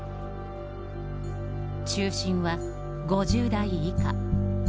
中心は５０代以下。